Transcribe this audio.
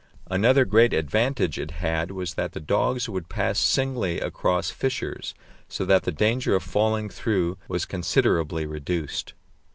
Another great advantage it had was that the dogs would pass singly across fissures, so that the danger of falling through was considerably reduced.